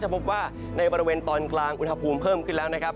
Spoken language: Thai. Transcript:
พบว่าในบริเวณตอนกลางอุณหภูมิเพิ่มขึ้นแล้วนะครับ